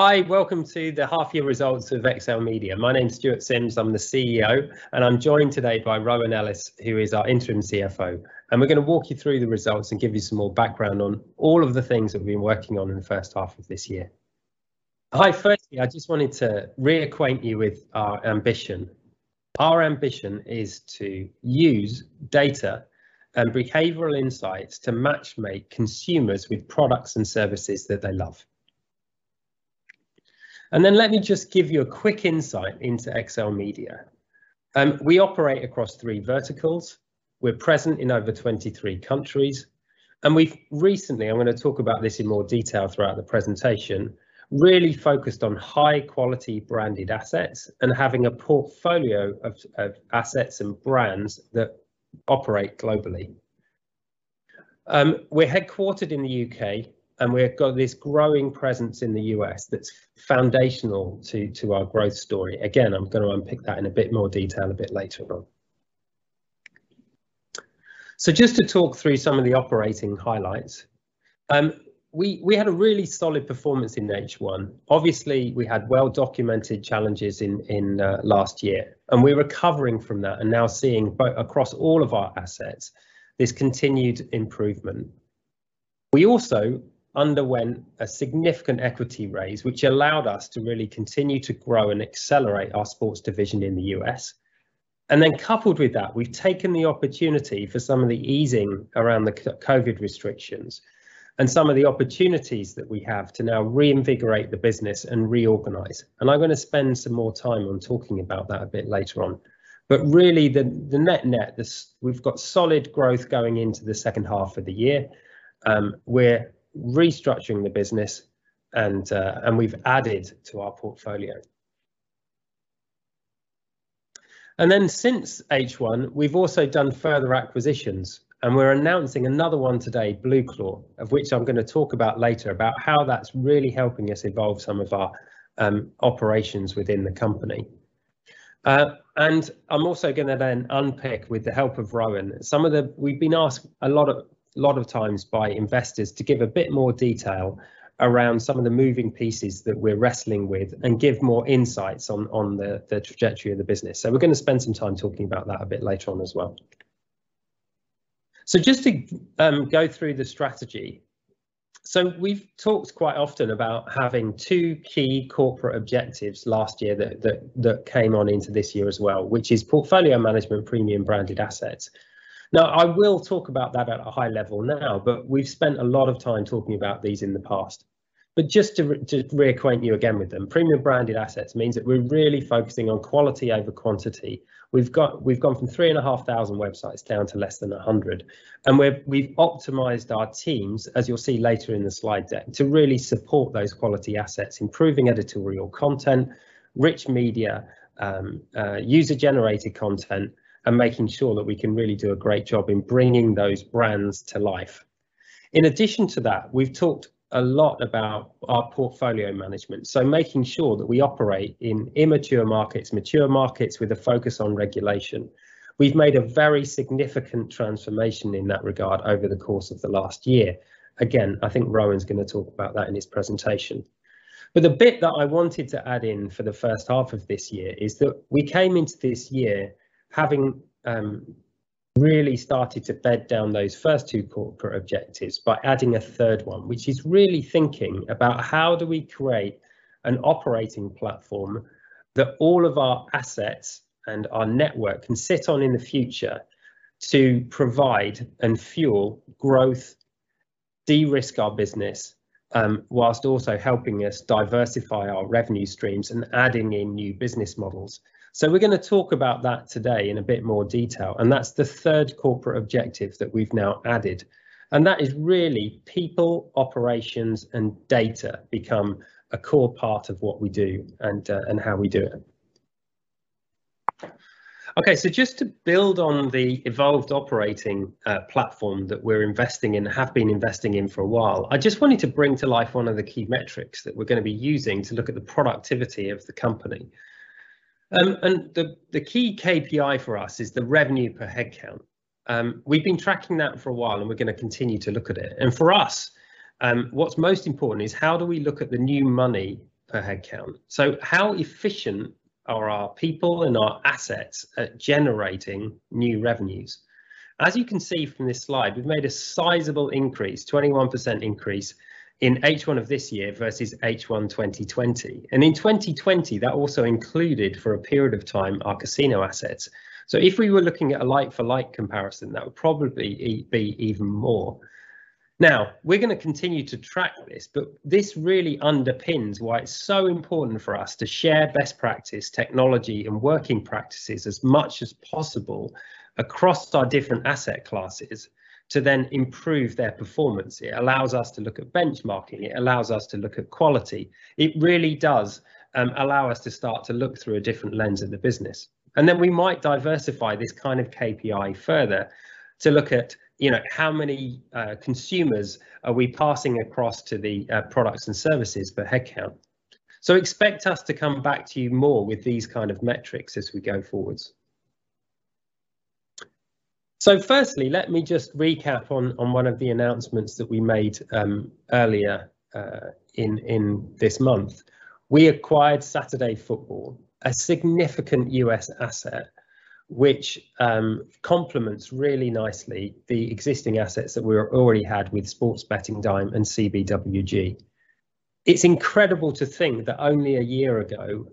Hi, welcome to the half year results of XLMedia. My name's Stuart Simms, I'm the CEO. I'm joined today by Rowan Ellis, who is our interim CFO. We're going to walk you through the results and give you some more background on all of the things that we've been working on in the H1 of this year. Firstly, I just wanted to reacquaint you with our ambition. Our ambition is to use data and behavioral insights to match-make consumers with products and services that they love. Let me just give you a quick insight into XLMedia. We operate across three verticals. We're present in over 23 countries. We've recently, I'm going to talk about this in more detail throughout the presentation, really focused on high-quality branded assets and having a portfolio of assets and brands that operate globally. We're headquartered in the U.K., and we've got this growing presence in the U.S. that's foundational to our growth story. Again, I'm going to unpick that in a bit more detail a bit later on. Just to talk through some of the operating highlights. We had a really solid performance in H1. Obviously, we had well-documented challenges in last year, and we're recovering from that and now seeing across all of our assets this continued improvement. We also underwent a significant equity raise, which allowed us to really continue to grow and accelerate our sports division in the U.S. Coupled with that, we've taken the opportunity for some of the easing around the COVID restrictions and some of the opportunities that we have to now reinvigorate the business and reorganize. I'm going to spend some more time on talking about that a bit later on. Really, the net net, we've got solid growth going into the H2 of the year. We're restructuring the business and we've added to our portfolio. Since H1, we've also done further acquisitions, and we're announcing another one today, BlueClaw, of which I'm going to talk about later about how that's really helping us evolve some of our operations within the company. I'm also going to then unpick, with the help of Rowan, we've been asked a lot of times by investors to give a bit more detail around some of the moving pieces that we're wrestling with and give more insights on the trajectory of the business. We're going to spend some time talking about that a bit later on as well. Just to go through the strategy. We've talked quite often about having two key corporate objectives last year that came on into this year as well, which is portfolio management premium branded assets. I will talk about that at a high level now, but we've spent a lot of time talking about these in the past. Just to reacquaint you again with them, premium branded assets means that we're really focusing on quality over quantity. We've gone from 3,500 websites down to less than 100, and we've optimized our teams, as you'll see later in the slide deck, to really support those quality assets, improving editorial content, rich media, user-generated content, and making sure that we can really do a great job in bringing those brands to life. In addition to that, we've talked a lot about our portfolio management, so making sure that we operate in immature markets, mature markets with a focus on regulation. We've made a very significant transformation in that regard over the course of the last year. Again, I think Rowan is going to talk about that in his presentation. The bit that I wanted to add in for the H1 of this year is that we came into this year having really started to bed down those first two corporate objectives by adding a third one, which is really thinking about how do we create an operating platform that all of our assets and our network can sit on in the future to provide and fuel growth, de-risk our business, whilst also helping us diversify our revenue streams and adding in new business models. We're going to talk about that today in a bit more detail, and that's the third corporate objective that we've now added, and that is really people, operations, and data become a core part of what we do and how we do it. Okay, just to build on the evolved operating platform that we're investing in, have been investing in for a while, I just wanted to bring to life one of the key metrics that we're going to be using to look at the productivity of the company. The key KPI for us is the revenue per head count. We've been tracking that for a while, and we're going to continue to look at it. For us, what's most important is how do we look at the new money per head count? How efficient are our people and our assets at generating new revenues? As you can see from this slide, we've made a sizable increase, 21% increase in H1 of this year versus H1 2020. In 2020, that also included, for a period of time, our casino assets. If we were looking at a like-for-like comparison, that would probably be even more. We're going to continue to track this, but this really underpins why it's so important for us to share best practice technology and working practices as much as possible across our different asset classes to then improve their performance. It allows us to look at benchmarking. It allows us to look at quality. It really does allow us to start to look through a different lens of the business. We might diversify this kind of KPI further to look at how many consumers are we passing across to the products and services per head count. Expect us to come back to you more with these kind of metrics as we go forwards. Firstly, let me just recap on one of the announcements that we made earlier in this month. We acquired Saturday Football, a significant U.S. asset, which complements really nicely the existing assets that we already had with Sports Betting Dime and CBWG. It's incredible to think that only a year ago,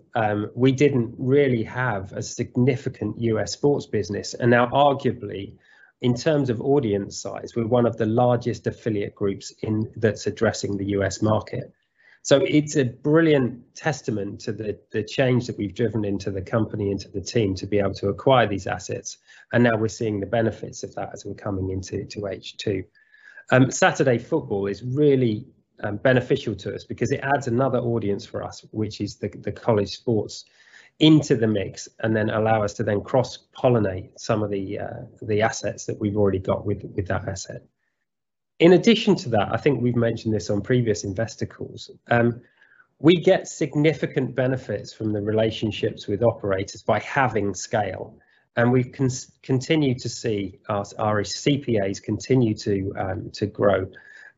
we didn't really have a significant U.S. sports business. Now arguably, in terms of audience size, we're one of the largest affiliate groups that's addressing the U.S. market. It's a brilliant testament to the change that we've driven into the company and to the team to be able to acquire these assets, and now we're seeing the benefits of that as we're coming into H2. Saturday Football is really beneficial to us because it adds another audience for us, which is the college sports, into the mix and then allow us to then cross-pollinate some of the assets that we've already got with that asset. In addition to that, I think we've mentioned this on previous investor calls, we get significant benefits from the relationships with operators by having scale. We continue to see our CPAs continue to grow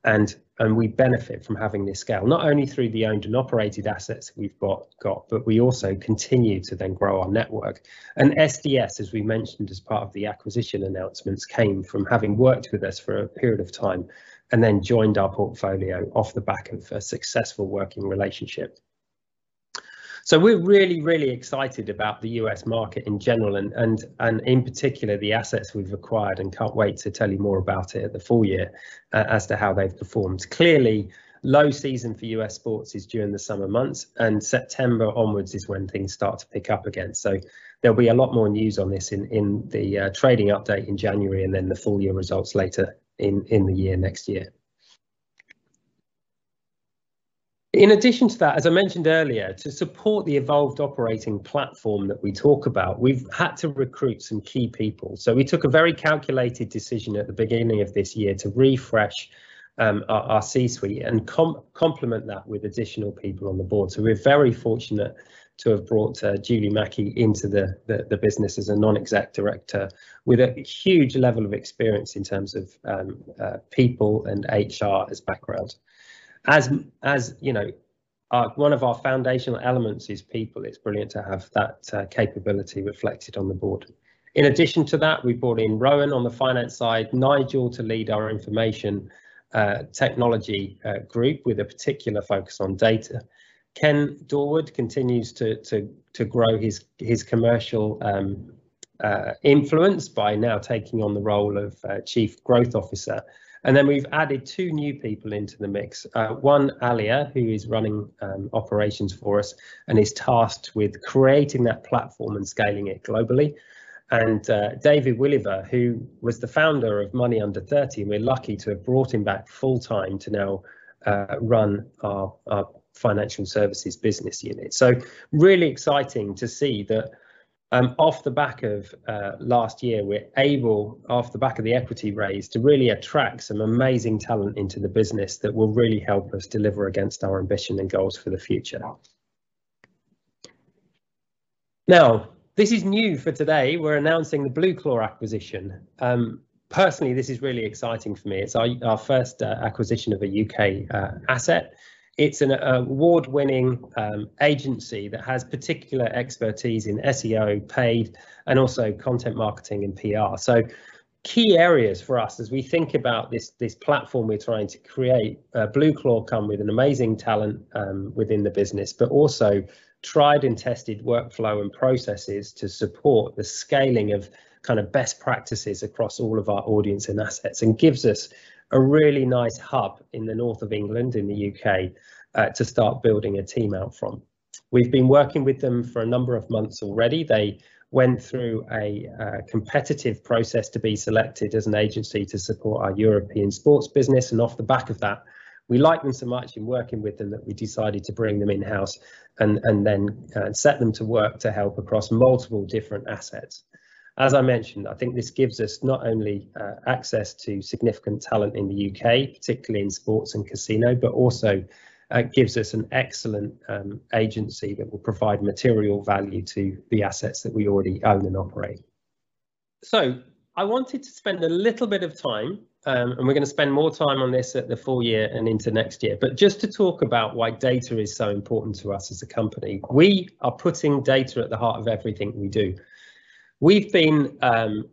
and we benefit from having this scale, not only through the owned and operated assets we've got, but we also continue to then grow our network. SDS, as we mentioned, as part of the acquisition announcements, came from having worked with us for a period of time and then joined our portfolio off the back of a successful working relationship. We're really, really excited about the U.S. market in general and, in particular, the assets we've acquired and can't wait to tell you more about it at the full year as to how they've performed. Clearly, low season for U.S. sports is during the summer months, and September onwards is when things start to pick up again. There'll be a lot more news on this in the trading update in January and then the full-year results later in the year next year. In addition to that, as I mentioned earlier, to support the evolved operating platform that we talk about, we've had to recruit some key people. We took a very calculated decision at the beginning of this year to refresh our C-suite and complement that with additional people on the board. We're very fortunate to have brought Julie Markey into the business as a Non-Executive Director with a huge level of experience in terms of people and HR as background. As one of our foundational elements is people, it's brilliant to have that capability reflected on the board. In addition to that, we brought in Rowan on the finance side, Nigel to lead our information technology group with a particular focus on data. Ken Dorward continues to grow his commercial influence by now taking on the role of Chief Growth Officer. We've added two new people into the mix, one, Alya, who is running operations for us and is tasked with creating that platform and scaling it globally, and David Weliver, who was the founder of Money Under 30, and we're lucky to have brought him back full-time to now run our financial services business unit. Really exciting to see that off the back of last year, we're able, off the back of the equity raise, to really attract some amazing talent into the business that will really help us deliver against our ambition and goals for the future. This is new for today. We're announcing the BlueClaw acquisition. Personally, this is really exciting for me. It's our first acquisition of a U.K. asset. It's an award-winning agency that has particular expertise in SEO paid and also content marketing and PR. Key areas for us as we think about this platform we're trying to create. BlueClaw Media come with an amazing talent within the business, but also tried and tested workflow and processes to support the scaling of best practices across all of our audience and assets and gives us a really nice hub in the north of England, in the U.K., to start building a team out from. We've been working with them for a number of months already. They went through a competitive process to be selected as an agency to support our European sports business and off the back of that, we liked them so much in working with them that we decided to bring them in-house and then set them to work to help across multiple different assets. As I mentioned, I think this gives us not only access to significant talent in the U.K., particularly in sports and casino, but also gives us an excellent agency that will provide material value to the assets that we already own and operate. I wanted to spend a little bit of time, and we're going to spend more time on this at the full year and into next year, but just to talk about why data is so important to us as a company. We are putting data at the heart of everything we do. We've been,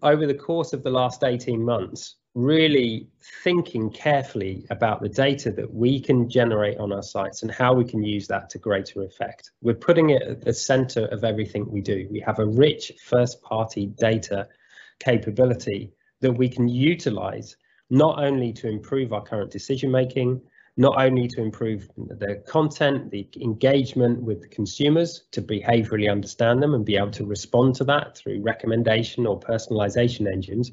over the course of the last 18 months, really thinking carefully about the data that we can generate on our sites and how we can use that to greater effect. We're putting it at the center of everything we do. We have a rich first-party data capability that we can utilize not only to improve our current decision-making, not only to improve the content, the engagement with the consumers to behaviorally understand them and be able to respond to that through recommendation or personalization engines,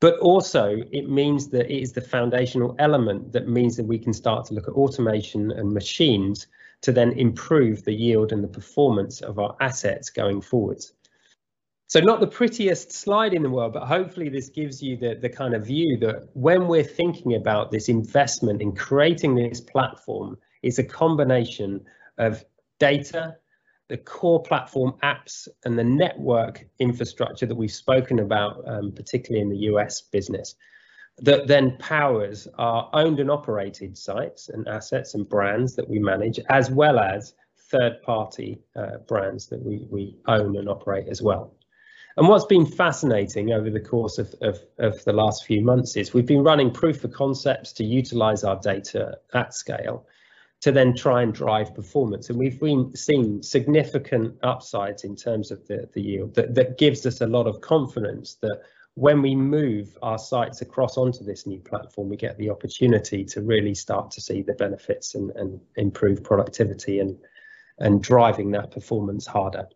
but also it means that it is the foundational element that means that we can start to look at automation and machines to then improve the yield and the performance of our assets going forwards. Not the prettiest slide in the world, but hopefully, this gives you the kind of view that when we're thinking about this investment in creating this platform, it's a combination of data the core platform apps and the network infrastructure that we've spoken about, particularly in the U.S. business, that then powers our owned and operated sites and assets and brands that we manage, as well as third-party brands that we own and operate as well. What's been fascinating over the course of the last few months is we've been running proof of concepts to utilize our data at scale to then try and drive performance. We've seen significant upsides in terms of the yield that gives us a lot of confidence that when we move our sites across onto this new platform, we get the opportunity to really start to see the benefits and improve productivity and driving that performance harder.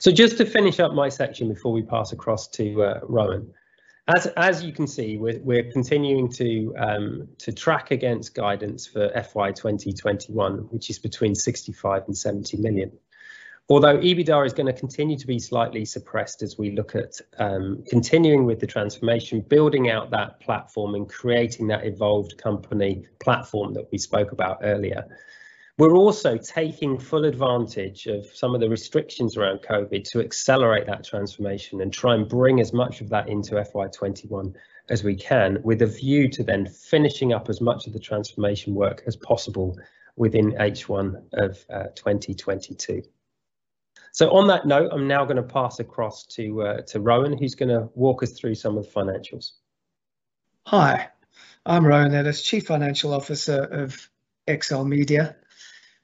Just to finish up my section before we pass across to Rowan. As you can see, we're continuing to track against guidance for FY 2021, which is between $65 million and $70 million. EBITDA is going to continue to be slightly suppressed as we look at continuing with the transformation, building out that platform, and creating that evolved company platform that we spoke about earlier. We're also taking full advantage of some of the restrictions around COVID to accelerate that transformation and try and bring as much of that into FY 2021 as we can, with a view to then finishing up as much of the transformation work as possible within H1 of 2022. On that note, I'm now going to pass across to Rowan, who's going to walk us through some of the financials. Hi, I'm Rowan Ellis, Chief Financial Officer of XLMedia,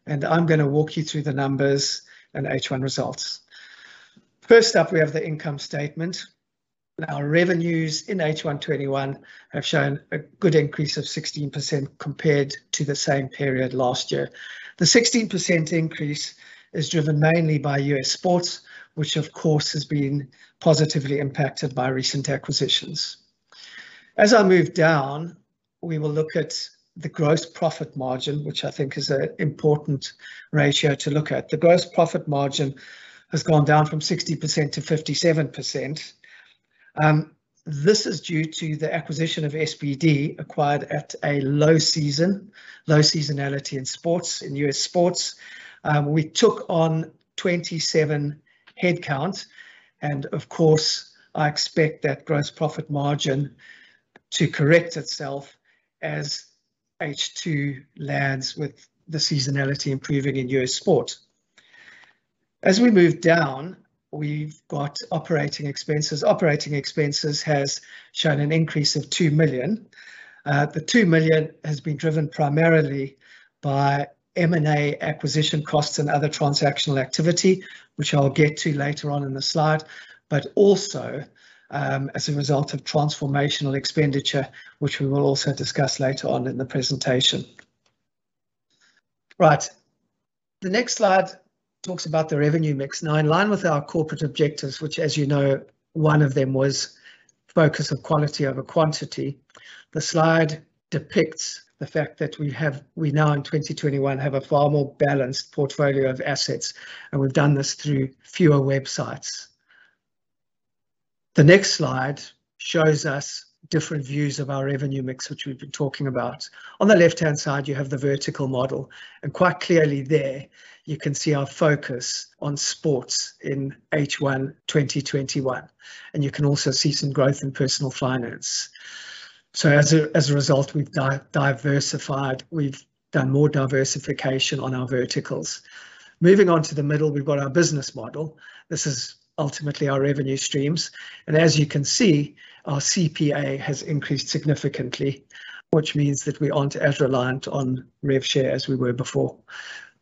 and I'm going to walk you through the numbers and H1 results. First up, we have the income statement. Our revenues in H1 2021 have shown a good increase of 16% compared to the same period last year. The 16% increase is driven mainly by U.S. sports, which of course has been positively impacted by recent acquisitions. As I move down, we will look at the gross profit margin, which I think is an important ratio to look at. The gross profit margin has gone down from 60%-57%. This is due to the acquisition of SBD acquired at a low seasonality in U.S. sports. We took on 27 headcount, and of course, I expect that gross profit margin to correct itself as H2 lands with the seasonality improving in U.S. sport. As we move down, we've got operating expenses. Operating expenses has shown an increase of $2 million. The $2 million has been driven primarily by M&A acquisition costs and other transactional activity, which I'll get to later on in the slide, but also as a result of transformational expenditure, which we will also discuss later on in the presentation. Right. The next slide talks about the revenue mix. Now, in line with our corporate objectives, which, as you know, one of them was focus of quality over quantity, the slide depicts the fact that we now in 2021 have a far more balanced portfolio of assets, and we've done this through fewer websites. The next slide shows us different views of our revenue mix, which we've been talking about. On the left-hand side, you have the vertical model, and quite clearly there you can see our focus on sports in H1 2021. You can also see some growth in personal finance. As a result, we've done more diversification on our verticals. Moving on to the middle, we've got our business model. This is ultimately our revenue streams. As you can see, our CPA has increased significantly, which means that we aren't as reliant on rev share as we were before.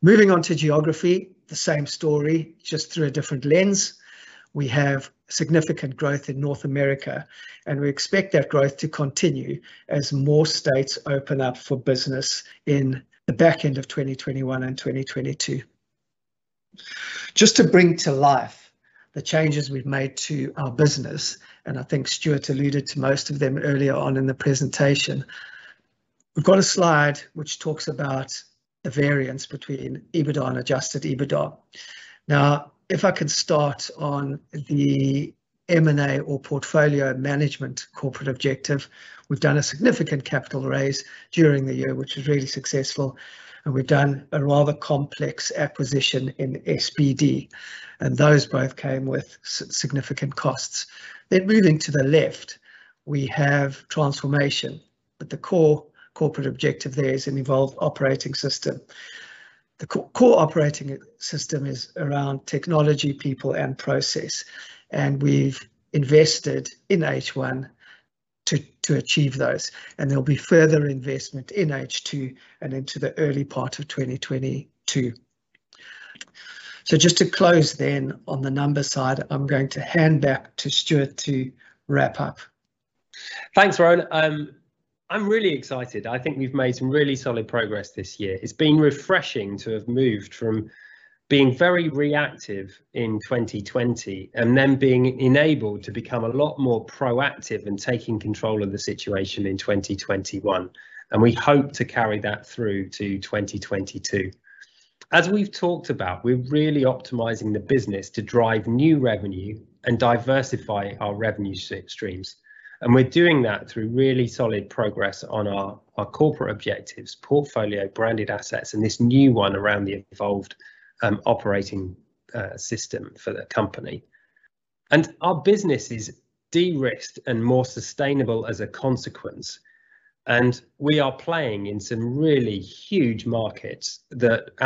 Moving on to geography, the same story, just through a different lens. We have significant growth in North America, and we expect that growth to continue as more states open up for business in the back end of 2021 and 2022. Just to bring to life the changes we've made to our business, and I think Stuart alluded to most of them earlier on in the presentation, we've got a slide which talks about the variance between EBITDA and adjusted EBITDA. If I can start on the M&A or portfolio management corporate objective, we've done a significant capital raise during the year, which was really successful, and we've done a rather complex acquisition in SBD, and those both came with significant costs. Moving to the left, we have transformation, the core corporate objective there is an evolved operating system. The core operating system is around technology, people, and process, and we've invested in H1 to achieve those, and there'll be further investment in H2 and into the early part of 2022. Just to close then on the numbers side, I'm going to hand back to Stuart to wrap up. Thanks, Rowan. I'm really excited. I think we've made some really solid progress this year. It's been refreshing to have moved from being very reactive in 2020. Then being enabled to become a lot more proactive and taking control of the situation in 2021, we hope to carry that through to 2022. As we've talked about, we're really optimizing the business to drive new revenue and diversify our revenue streams. We're doing that through really solid progress on our corporate objectives, portfolio branded assets, and this new one around the evolved operating system for the company. Our business is de-risked and more sustainable as a consequence. We are playing in some really huge markets that,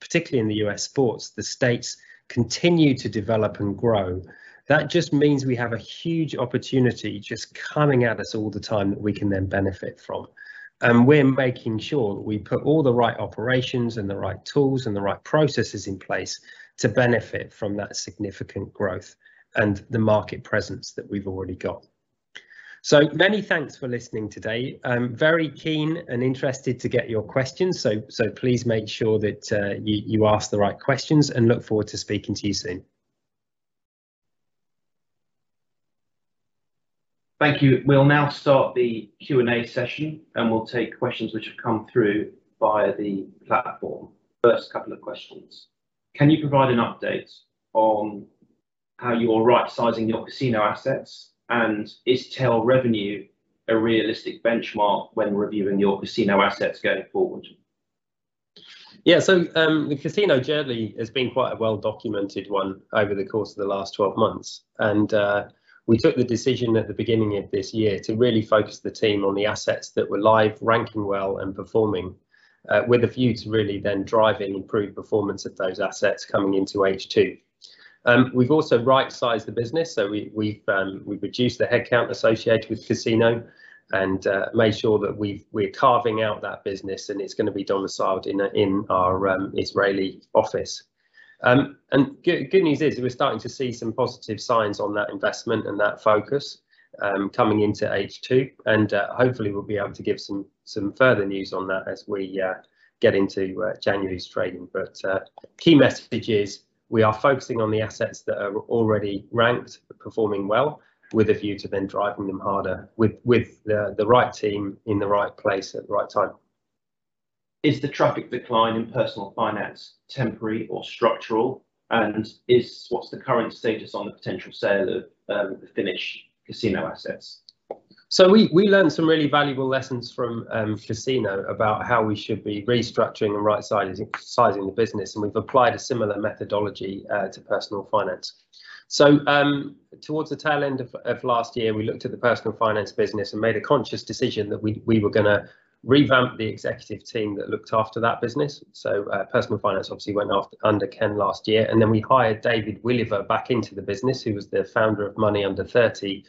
particularly in the U.S. sports, the states continue to develop and grow. That just means we have a huge opportunity just coming at us all the time that we can then benefit from. We're making sure that we put all the right operations and the right tools and the right processes in place to benefit from that significant growth and the market presence that we've already got. Many thanks for listening today. I'm very keen and interested to get your questions, please make sure that you ask the right questions, look forward to speaking to you soon. Thank you. We'll now start the Q&A session, and we'll take questions which have come through via the platform. First couple of questions. Can you provide an update on how you're rightsizing your casino assets? Is tail revenue a realistic benchmark when reviewing your casino assets going forward? The casino journey has been quite a well-documented one over the course of the last 12 months. We took the decision at the beginning of this year to really focus the team on the assets that were live, ranking well, and performing, with a view to really then driving improved performance of those assets coming into H2. We've also right-sized the business, so we've reduced the headcount associated with casino and made sure that we're carving out that business, and it's going to be domiciled in our Israeli office. Good news is we're starting to see some positive signs on that investment and that focus coming into H2, and hopefully we'll be able to give some further news on that as we get into January's trading. Key message is we are focusing on the assets that are already ranked, performing well, with a view to then driving them harder with the right team in the right place at the right time. Is the traffic decline in personal finance temporary or structural? What's the current status on the potential sale of the Finnish casino assets? We learned some really valuable lessons from casino about how we should be restructuring and rightsizing the business, and we've applied a similar methodology to personal finance. Towards the tail end of last year, we looked at the personal finance business and made a conscious decision that we were going to revamp the executive team that looked after that business. Personal finance obviously went under Ken last year, and then we hired David Weliver back into the business, who was the founder of Money Under 30,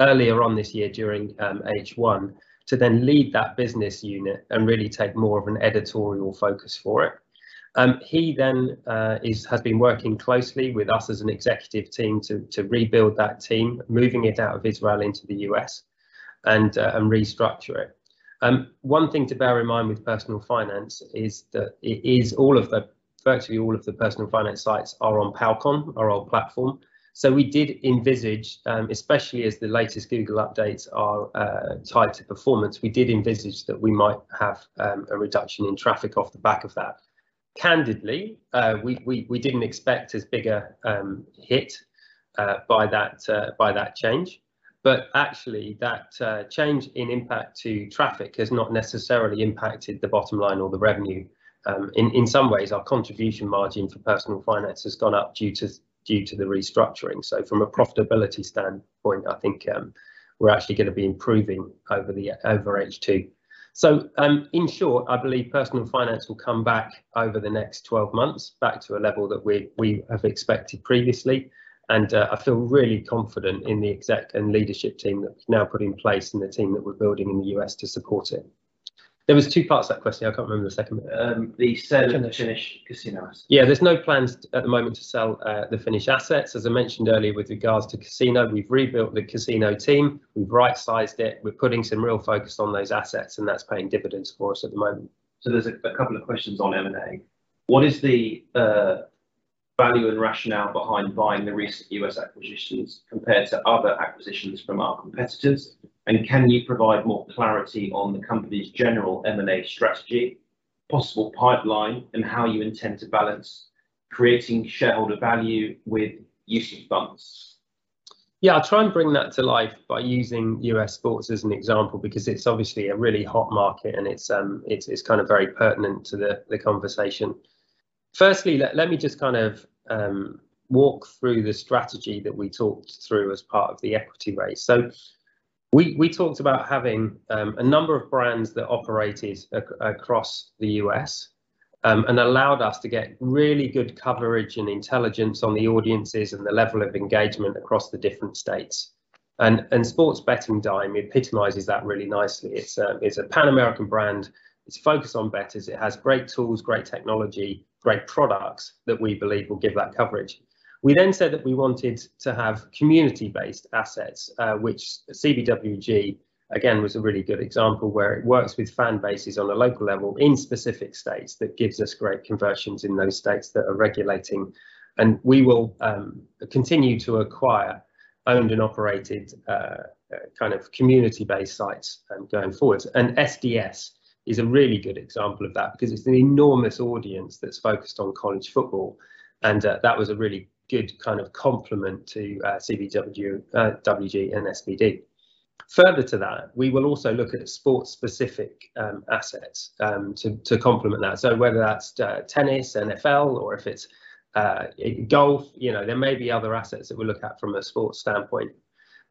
earlier on this year during H1, to then lead that business unit and really take more of an editorial focus for it. He has been working closely with us as an executive team to rebuild that team, moving it out of Israel into the U.S. and restructure it. One thing to bear in mind with personal finance is virtually all of the personal finance sites are on Palcon, our old platform. We did envisage, especially as the latest Google updates are tied to performance, we did envisage that we might have a reduction in traffic off the back of that. Candidly, we didn't expect as big a hit by that change. Actually, that change in impact to traffic has not necessarily impacted the bottom line or the revenue. In some ways, our contribution margin for personal finance has gone up due to the restructuring. From a profitability standpoint, I think we're actually going to be improving over H2. In short, I believe personal finance will come back over the next 12 months, back to a level that we have expected previously, and I feel really confident in the exec and leadership team that we've now put in place and the team that we're building in the U.S. to support it. There was two parts to that question. I can't remember the second bit. The sale of the Finnish casino assets. Yeah, there's no plans at the moment to sell the Finnish assets. As I mentioned earlier with regards to casino, we've rebuilt the casino team. We've right-sized it. We're putting some real focus on those assets, and that's paying dividends for us at the moment. There's a couple of questions on M&A. What is the value and rationale behind buying the recent U.S. acquisitions compared to other acquisitions from our competitors? Can you provide more clarity on the company's general M&A strategy, possible pipeline, and how you intend to balance creating shareholder value with issuance bumps? Yeah, I'll try and bring that to life by using U.S. sports as an example, because it's obviously a really hot market, it's very pertinent to the conversation. Firstly, let me just walk through the strategy that we talked through as part of the equity raise. We talked about having a number of brands that operated across the U.S. allowed us to get really good coverage and intelligence on the audiences and the level of engagement across the different states. Sports Betting Dime epitomizes that really nicely. It's a Pan-American brand. It's focused on bettors. It has great tools, great technology, great products that we believe will give that coverage. We said that we wanted to have community-based assets, which CBWG, again, was a really good example, where it works with fan bases on a local level in specific states that gives us great conversions in those states that are regulating, and we will continue to acquire owned and operated kind of community-based sites going forward. SDS is a really good example of that because it's an enormous audience that's focused on college football, and that was a really good kind of complement to CBWG and SBD. Further to that, we will also look at sports-specific assets to complement that. Whether that's tennis, NFL, or if it's golf, there may be other assets that we'll look at from a sports standpoint.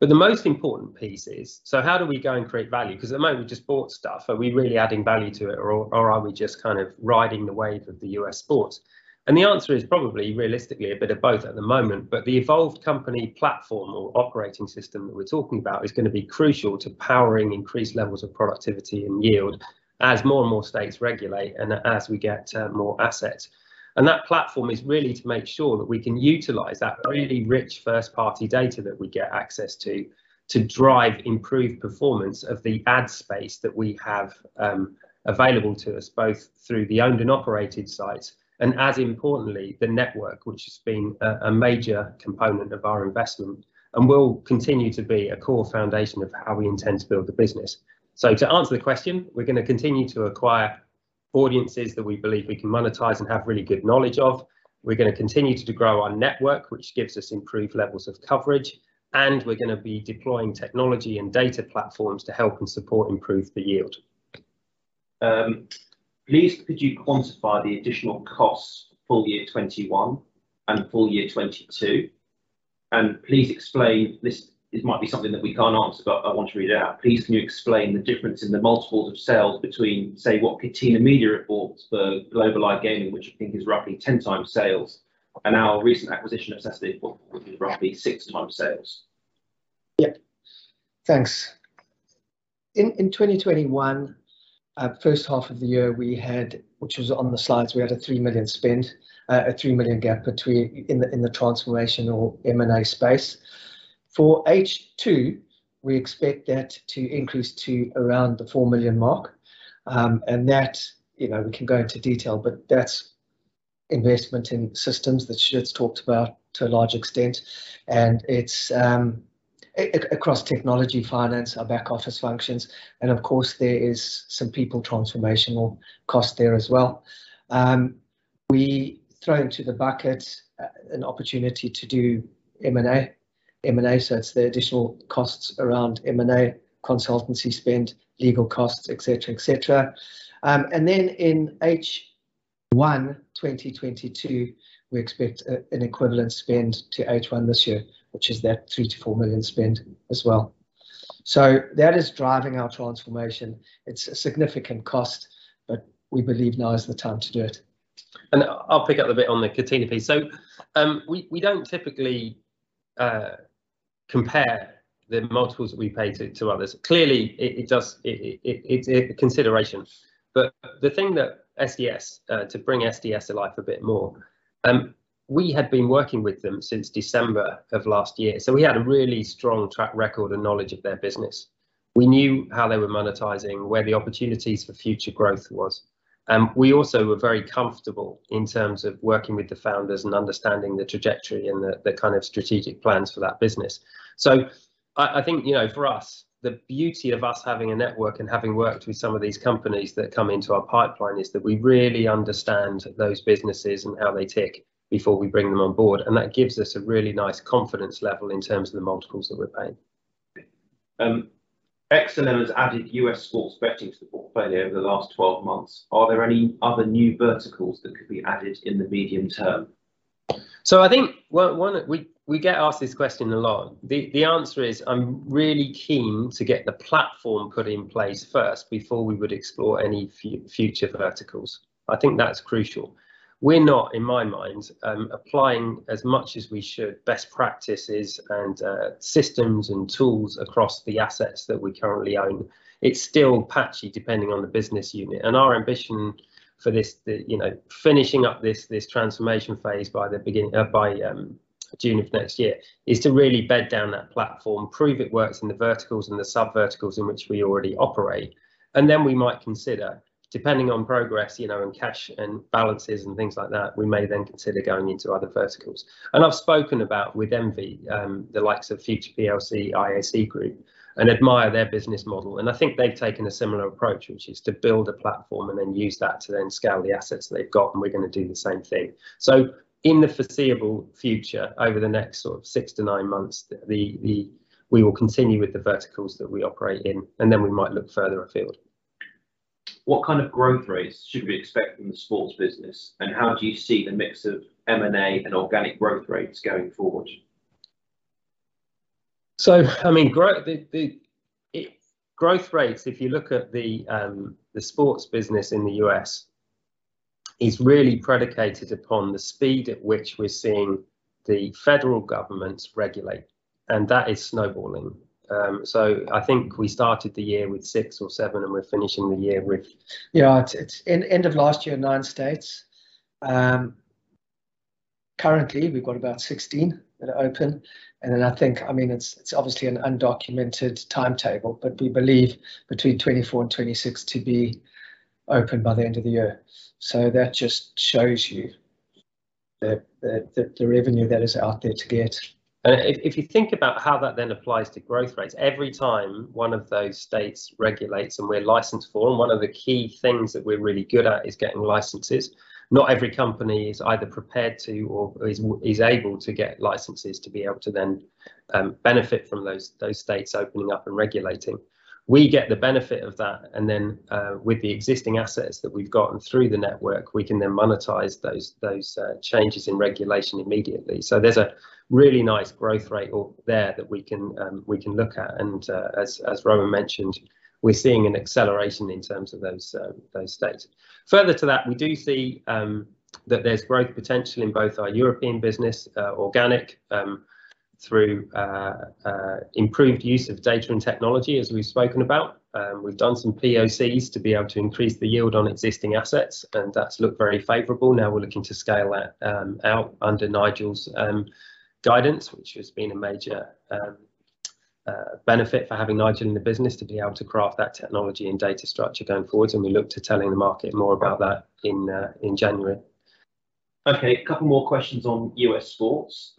The most important piece is, how do we go and create value? Because at the moment, we've just bought stuff. Are we really adding value to it or are we just kind of riding the wave of the U.S. sports? The answer is probably, realistically, a bit of both at the moment, but the evolved company platform or operating system that we're talking about is going to be crucial to powering increased levels of productivity and yield as more and more states regulate and as we get more assets. That platform is really to make sure that we can utilize that really rich first-party data that we get access to drive improved performance of the ad space that we have available to us, both through the owned and operated sites and, as importantly, the network, which has been a major component of our investment and will continue to be a core foundation of how we intend to build the business. To answer the question, we're going to continue to acquire audiences that we believe we can monetize and have really good knowledge of. We're going to continue to grow our network, which gives us improved levels of coverage, and we're going to be deploying technology and data platforms to help and support improve the yield. Please could you quantify the additional costs for FY 2021 and for FY 2022? Please explain, this might be something that we can't answer, but I want to read it out. "Please can you explain the difference in the multiples of sales between, say, what Catena Media reports for Global Live Gaming, which I think is roughly 10x sales, and our recent acquisition of SDS, which is roughly 6x sales? Yep. Thanks. In 2021 H1 of the year, we had, which was on the slides, we had a $3 million spend, a $3 million gap between in the transformational M&A space. For H2, we expect that to increase to around the $4 million mark. That, we can go into detail, but that's investment in systems that Stuart's talked about to a large extent. It's across technology, finance, our back office functions. Of course, there is some people transformational cost there as well. We throw into the bucket an opportunity to do M&A. M&A. It's the additional costs around M&A, consultancy spend, legal costs, et cetera. Then in H1 2022, we expect an equivalent spend to H1 this year, which is that $3 million-$4 million spend as well. That is driving our transformation. It's a significant cost, but we believe now is the time to do it. I'll pick up the bit on the Catena piece. We don't typically compare the multiples that we pay to others. Clearly, it's a consideration. The thing that SDS, to bring SDS to life a bit more, we had been working with them since December of last year. We had a really strong track record and knowledge of their business. We knew how they were monetizing, where the opportunities for future growth was. We also were very comfortable in terms of working with the founders and understanding the trajectory and the kind of strategic plans for that business. I think, for us, the beauty of us having a network and having worked with some of these companies that come into our pipeline is that we really understand those businesses and how they tick before we bring them on board. That gives us a really nice confidence level in terms of the multiples that we're paying. XLM has added U.S. sports betting to the portfolio over the last 12 months. Are there any other new verticals that could be added in the medium term?" I think 1, we get asked this question a lot. The answer is, I'm really keen to get the platform put in place first before we would explore any future verticals. I think that's crucial. We're not, in my mind, applying as much as we should best practices and systems and tools across the assets that we currently own. It's still patchy depending on the business unit. Our ambition for this, finishing up this transformation phase by June of next year, is to really bed down that platform, prove it works in the verticals and the sub-verticals in which we already operate. We might consider, depending on progress, and cash and balances and things like that, we may then consider going into other verticals. I've spoken about, with envy, the likes of Future plc, IAC Group, and admire their business model. I think they've taken a similar approach, which is to build a platform and then use that to then scale the assets they've got, and we're going to do the same thing. In the foreseeable future, over the next sort of six to nine months, we will continue with the verticals that we operate in, and then we might look further afield. What kind of growth rates should we expect from the sports business, and how do you see the mix of M&A and organic growth rates going forward? Growth rates, if you look at the sports business in the U.S., is really predicated upon the speed at which we're seeing the federal governments regulate, and that is snowballing. I think we started the year with six or seven and we're finishing the year. Yeah. End of last year, nine states. Currently, we've got about 16 that are open. I think, it's obviously an undocumented timetable, but we believe between 24 and 26 to be open by the end of the year. That just shows you the revenue that is out there to get. If you think about how that then applies to growth rates, every time one of those states regulates and we're licensed for them, one of the key things that we're really good at is getting licenses. Not every company is either prepared to or is able to get licenses to be able to then benefit from those states opening up and regulating. We get the benefit of that and then, with the existing assets that we've gotten through the network, we can then monetize those changes in regulation immediately. There's a really nice growth rate there that we can look at and, as Rowan mentioned, we're seeing an acceleration in terms of those states. Further to that, we do see that there's growth potential in both our European business, organic, through improved use of data and technology, as we've spoken about. We've done some POCs to be able to increase the yield on existing assets. That's looked very favorable. Now we're looking to scale that out under Nigel's guidance, which has been a major benefit for having Nigel in the business to be able to craft that technology and data structure going forwards. We look to telling the market more about that in January. Okay, a couple more questions on U.S. sports.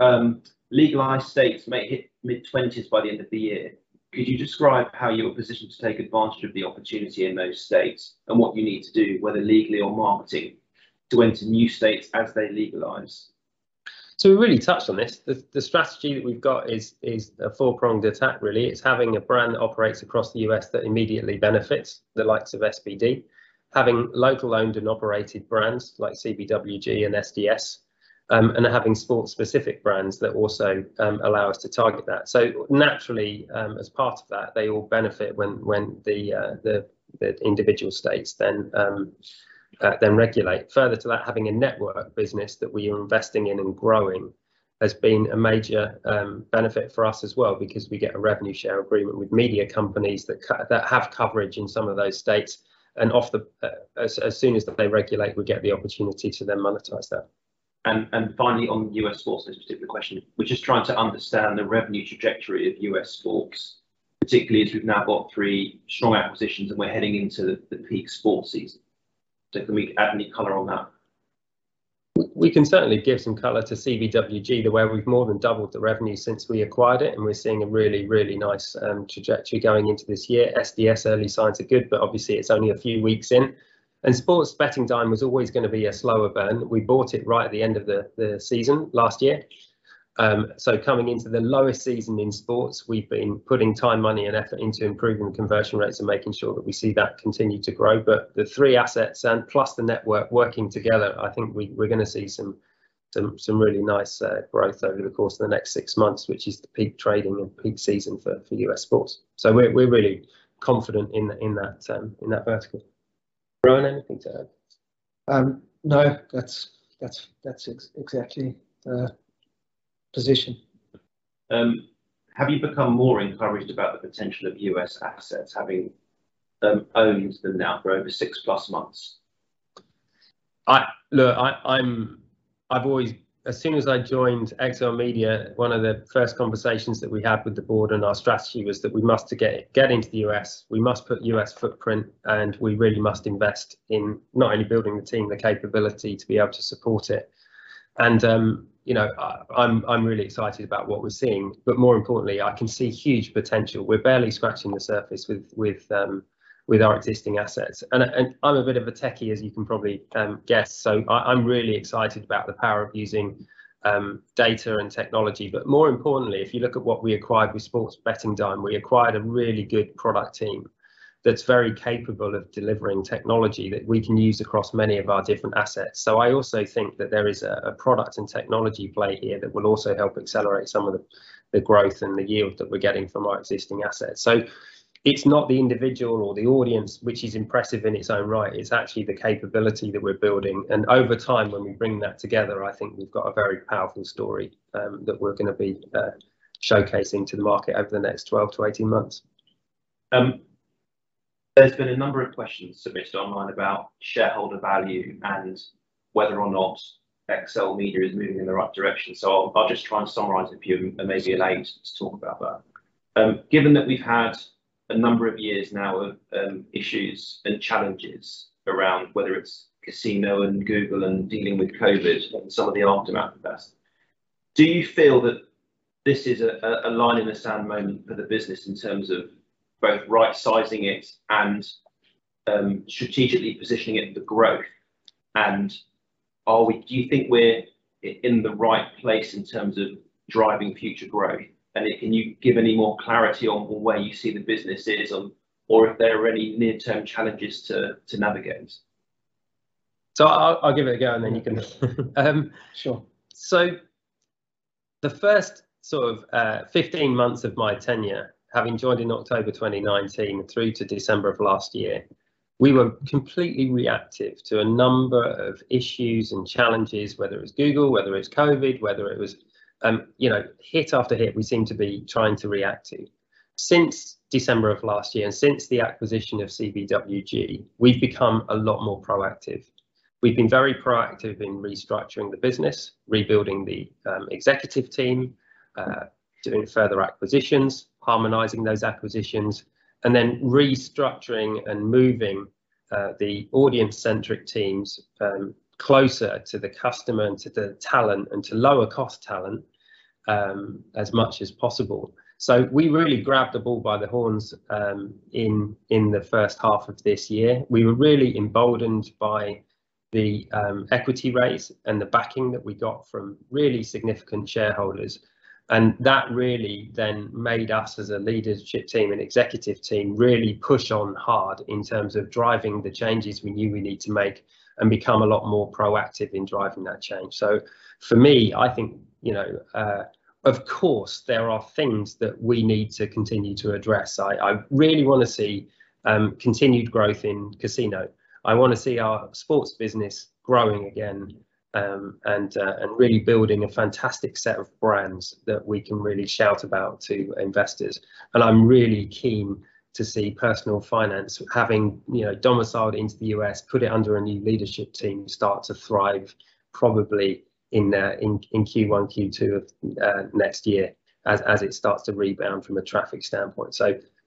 Legalized states may hit mid-20s by the end of the year. Could you describe how you're positioned to take advantage of the opportunity in those states, and what you need to do, whether legally or marketing, to enter new states as they legalize? We really touched on this. The strategy that we've got is a four-pronged attack, really. It's having a brand that operates across the U.S. that immediately benefits the likes of SBD. Having locally owned and operated brands like CBWG and SDS, and having sport-specific brands that also allow us to target that. Naturally, as part of that, they all benefit when the individual states then regulate. Further to that, having a network business that we are investing in and growing has been a major benefit for us as well because we get a revenue share agreement with media companies that have coverage in some of those states and as soon as they regulate, we get the opportunity to then monetize that. Finally on U.S. sports, there's a particular question. We're just trying to understand the revenue trajectory of U.S. sports, particularly as we've now got three strong acquisitions and we're heading into the peak sports season. Can we add any color on that? We can certainly give some color to CBWG, the way we've more than doubled the revenue since we acquired it and we're seeing a really nice trajectory going into this year. SDS early signs are good, but obviously it's only a few weeks in and Sports Betting Dime was always going to be a slower burn. We bought it right at the end of the season last year. Coming into the lowest season in sports, we've been putting time, money, and effort into improving conversion rates and making sure that we see that continue to grow. The three assets and plus the network working together, I think we're going to see some really nice growth over the course of the next six months, which is the peak trading and peak season for U.S. sports. We're really confident in that vertical. Rowan, anything to add? No, that's exactly the position. Have you become more encouraged about the potential of U.S. assets having owned them now for over six plus months? Look, as soon as I joined XLMedia, one of the first conversations that we had with the board and our strategy was that we must get into the U.S. We must put U.S. footprint and we really must invest in not only building the team, the capability to be able to support it. I'm really excited about what we're seeing. More importantly, I can see huge potential. We're barely scratching the surface with our existing assets and I'm a bit of a techie, as you can probably guess. I'm really excited about the power of using data and technology. More importantly, if you look at what we acquired with Sports Betting Dime, we acquired a really good product team that's very capable of delivering technology that we can use across many of our different assets. I also think that there is a product and technology play here that will also help accelerate some of the growth and the yield that we're getting from our existing assets. It's not the individual or the audience, which is impressive in its own right. It's actually the capability that we're building. Over time, when we bring that together, I think we've got a very powerful story that we're going to be showcasing to the market over the next 12-18 months. There's been a number of questions submitted online about shareholder value and whether or not XLMedia is moving in the right direction. I'll just try and summarize a few and maybe allow you to talk about that. Given that we've had a number of years now of issues and challenges around whether it's casino and Google and dealing with COVID and some of the other macro events, do you feel that this is a line in the sand moment for the business in terms of both right-sizing it and strategically positioning it for growth? Do you think we're in the right place in terms of driving future growth? Can you give any more clarity on where you see the business is or if there are any near-term challenges to navigate? I'll give it a go and then you can. Sure. The first sort of 15 months of my tenure, having joined in October 2019 through to December of last year, we were completely reactive to a number of issues and challenges, whether it's Google, whether it's COVID, whether it was hit after hit we seemed to be trying to react to. Since December of last year and since the acquisition of CBWG, we've become a lot more proactive. We've been very proactive in restructuring the business, rebuilding the executive team, doing further acquisitions, harmonizing those acquisitions, and then restructuring and moving the audience-centric teams closer to the customer and to the talent and to lower cost talent as much as possible. We really grabbed the bull by the horns in the H1 of this year. We were really emboldened by the equity raise and the backing that we got from really significant shareholders. That really then made us as a leadership team and executive team really push on hard in terms of driving the changes we knew we need to make and become a lot more proactive in driving that change. For me, I think of course there are things that we need to continue to address. I really want to see continued growth in casino. I want to see our sports business growing again and really building a fantastic set of brands that we can really shout about to investors. I'm really keen to see personal finance having domiciled into the U.S., put it under a new leadership team, start to thrive probably in Q1, Q2 of next year as it starts to rebound from a traffic standpoint.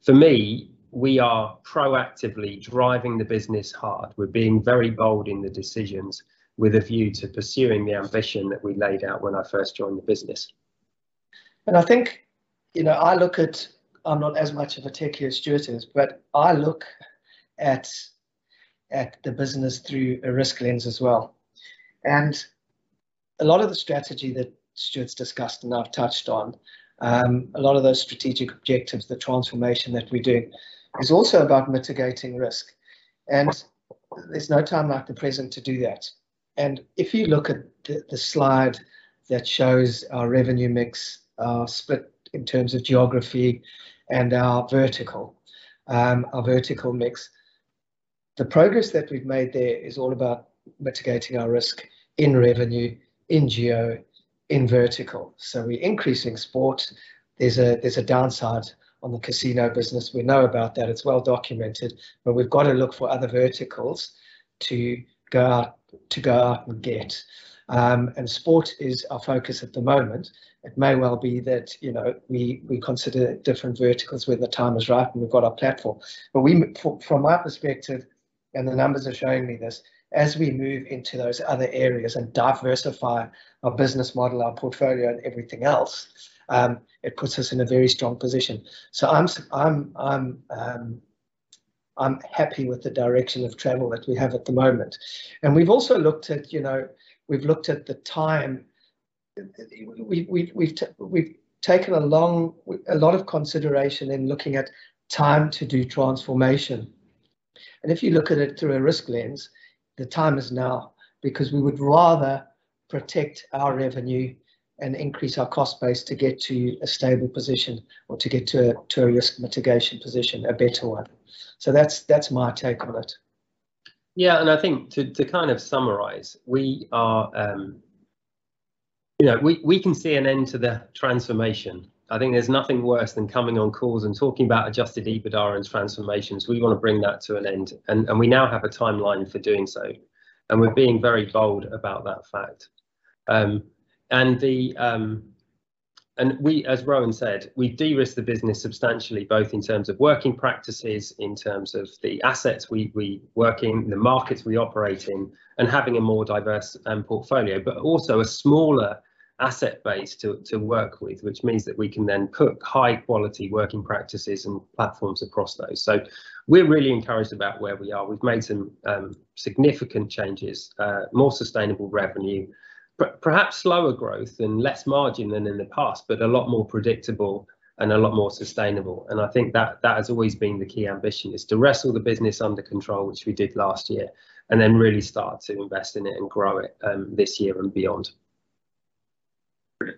For me, we are proactively driving the business hard. We're being very bold in the decisions with a view to pursuing the ambition that we laid out when I first joined the business. I think I look at, I'm not as much of a techie as Stuart is, but I look at the business through a risk lens as well. A lot of the strategy that Stuart's discussed and I've touched on, a lot of those strategic objectives, the transformation that we're doing is also about mitigating risk. There's no time like the present to do that. If you look at the slide that shows our revenue mix, our split in terms of geography and our vertical mix, the progress that we've made there is all about mitigating our risk in revenue, in geo, in vertical. We're increasing sport. There's a downside on the casino business. We know about that. It's well documented. We've got to look for other verticals to go out and get. Sport is our focus at the moment. It may well be that we consider different verticals when the time is right and we've got our platform. From our perspective, and the numbers are showing me this, as we move into those other areas and diversify our business model, our portfolio and everything else it puts us in a very strong position. I'm happy with the direction of travel that we have at the moment. We've also looked at the time. We've taken a lot of consideration in looking at time to do transformation. If you look at it through a risk lens, the time is now because we would rather protect our revenue and increase our cost base to get to a stable position or to get to a risk mitigation position, a better one. That's my take on it. Yeah, I think to kind of summarize, we can see an end to the transformation. I think there's nothing worse than coming on calls and talking about adjusted EBITDA and transformations. We want to bring that to an end. We now have a timeline for doing so and we're being very bold about that fact. As Rowan said, we de-risked the business substantially, both in terms of working practices, in terms of the assets we work in, the markets we operate in and having a more diverse portfolio, but also a smaller asset base to work with, which means that we can then cook high quality working practices and platforms across those. We're really encouraged about where we are. We've made some significant changes, more sustainable revenue, perhaps slower growth and less margin than in the past, but a lot more predictable and a lot more sustainable. I think that has always been the key ambition is to wrestle the business under control, which we did last year, and then really start to invest in it and grow it this year and beyond.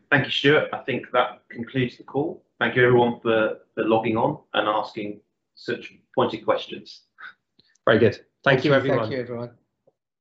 Thank you, Stuart. I think that concludes the call. Thank you everyone for logging on and asking such pointed questions. Very good. Thank you everyone. Thank you everyone.